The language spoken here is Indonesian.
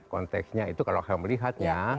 konteksnya itu kalau kamu lihat ya